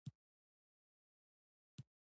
یو اوتو له برېښنا سره وصل کړئ.